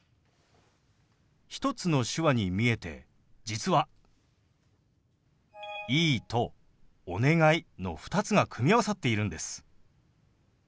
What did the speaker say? １つの手話に見えて実は「いい」と「お願い」の２つが組み合わさっているんです。